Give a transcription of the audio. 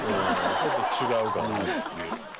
ちょっと違うかなっていう。